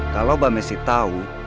kalau mbak messi tahu